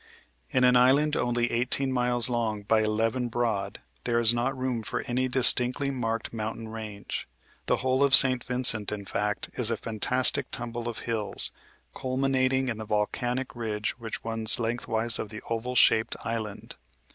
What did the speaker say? In an island only eighteen miles long by eleven broad there is not room for any distinctly marked mountain range. The whole of St. Vincent, in fact, is a fantastic tumble of hills, culminating in the volcanic ridge which runs lengthwise of the oval shaped island.